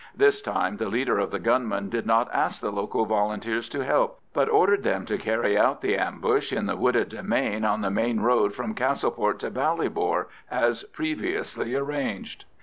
This time the leader of the gunmen did not ask the local Volunteers to help, but ordered them to carry out the ambush in the wooded demesne on the main road from Castleport to Ballybor, as previously arranged.